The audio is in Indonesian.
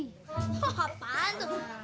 hah apaan tuh